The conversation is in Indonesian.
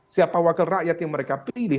siapa wakil rakyat yang mereka pilih